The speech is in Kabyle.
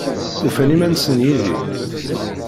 Ufan iman-nsen yid-i?